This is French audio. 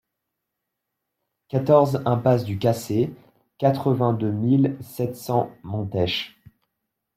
quatorze impasse du Cassé, quatre-vingt-deux mille sept cents Montech